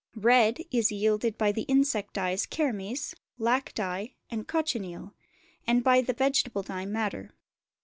Red is yielded by the insect dyes kermes, lac dye, and cochineal, and by the vegetable dye madder.